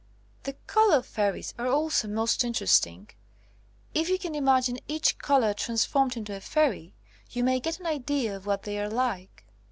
"The colour fairies are also most interest ing. If you can imagine each colour trans formed into a fairy you may get an idea of what they are like.